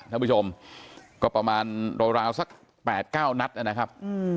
ท่านผู้ชมก็ประมาณราวสัก๘๙นัดนะครับ